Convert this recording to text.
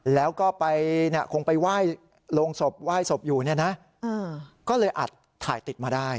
แล้วก็ไปคงไปไหว้โรงศพไหว้ศพอยู่เนี่ยนะก็เลยอาจถ่ายติดมาได้